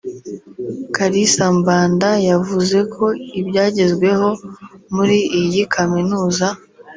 Kalisa Mbanda yavuze ko ibyagezweho muri iyi kaminuza